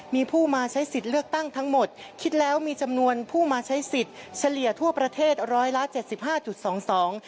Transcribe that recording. มีผู้มาใช้สิทธิ์เลือกตั้งทั้งหมดคิดแล้วมีจำนวนผู้มาใช้สิทธิ์เฉลี่ยทั่วประเทศร้อยละเจ็ดสิบห้าจุดสองสอง